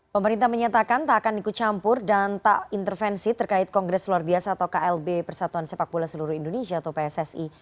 pemerintah menyatakan tak akan ikut campur dan tak intervensi terkait kongres luar biasa atau klb persatuan sepak bola seluruh indonesia atau pssi